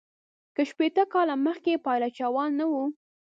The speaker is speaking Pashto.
که شپیته کاله مخکي پایلوچان نه وه.